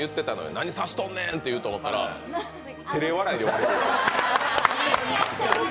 何さしとんねんって言うかと思ったら、てれ笑いで終わった。